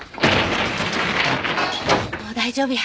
もう大丈夫や。